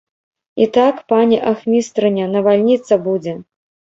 І так, пані ахмістрыня, навальніца будзе!